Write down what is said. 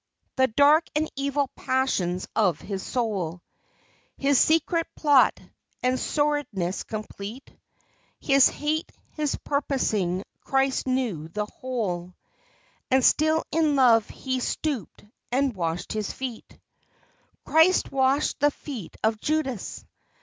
The dark and evil passions of his soul, His secret plot, and sordidness complete, His hate, his purposing, Christ knew the whole, And still in love he stooped and washed his feet. Christ washed the feet of Judas!